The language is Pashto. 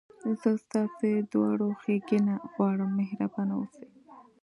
زه ستاسي دواړو ښېګڼه غواړم، مهربانه اوسئ.